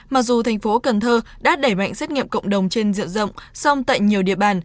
mặc dù thành phố cần thơ đã đẩy mạnh xét nghiệm cộng đồng trên diện rộng song tại nhiều địa bàn